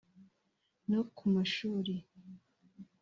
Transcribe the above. no ku mashuri